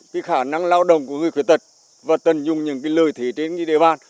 cái khả năng lao động của người khuyết tật và tận dung những lời thí trên địa bàn